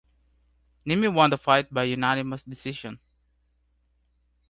Niimi won the fight by unanimous decision.